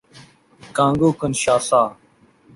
Congo - کنشاسا